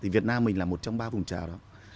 việt nam mình là một trong ba vùng trào đó